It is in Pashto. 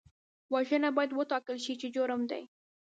وژنه باید وټاکل شي چې جرم دی